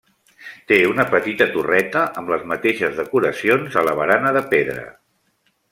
Té una petita torreta amb les mateixes decoracions a la barana de pedra.